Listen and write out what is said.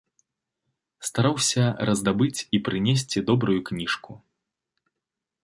Стараўся раздабыць і прынесці добрую кніжку.